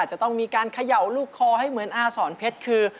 จะต้องมีการเขย่าลูกคอให้เหมือนอาสอนเพชรคือ